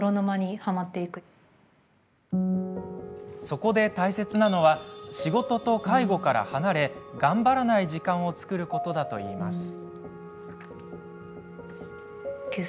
そこで、大切なのは仕事と介護から離れ頑張らない時間を作ることだといいます。